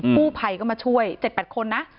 ผู้ไพก็มาช่วย๗๘คนนะ